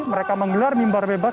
mereka menggelar mimbar bebas